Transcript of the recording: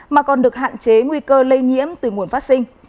mà còn được hạn chế nguy cơ lây nhiễm từ nguồn phát sinh